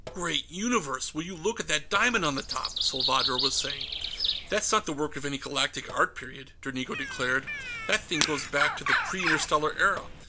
"Great Universe! Will you look at that diamond on the top!" Salvadro was saying. "That's not the work of any Galactic art period," Dranigo declared. "That thing goes back to the Pre Interstellar Era."